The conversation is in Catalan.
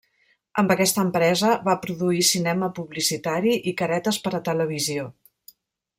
Amb aquesta empresa va produir cinema publicitari i caretes per a televisió.